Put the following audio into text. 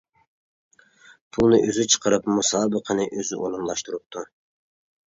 پۇلنى ئۆزى چىقىرىپ، مۇسابىقىنى ئۆزى ئورۇنلاشتۇرۇپتۇ.